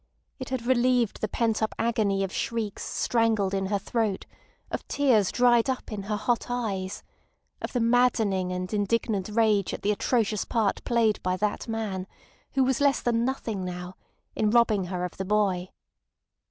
It had relieved the pent up agony of shrieks strangled in her throat, of tears dried up in her hot eyes, of the maddening and indignant rage at the atrocious part played by that man, who was less than nothing now, in robbing her of the boy.